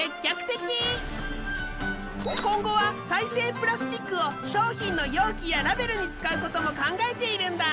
今後は再生プラスチックを商品の容器やラベルに使うことも考えているんだ。